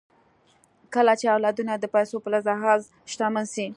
کله چې اولادونه د پيسو په لحاظ شتمن سي